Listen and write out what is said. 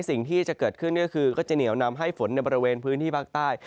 สิ่งที่จะเกิดขึ้นก็คือก็จะเหนียวนำให้ฝนในบริเวณพื้นที่ภาคใต้